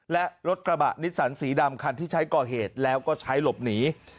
และรถกระบะนิสสันสีดำคันที่ใช้ก่อเหตุแล้วก็ใช้หลบหนี